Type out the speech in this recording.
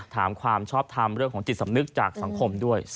ความชอบทำเรื่องของจิตสำนึกจากสังคมด้วย